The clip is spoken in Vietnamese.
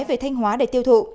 về thanh hóa để tiêu thụ